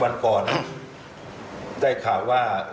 วันก่อนได้ข่าวว่า